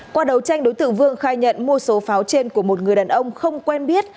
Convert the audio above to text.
qua đấu tranh đối tượng vương khai nhận mua số pháo trên của một người đàn ông không quen biết